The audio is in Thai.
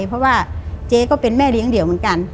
เพราะว่าเจ๊ก็เป็นแม่เลี้ยงเดี่ยวเหมือนกัน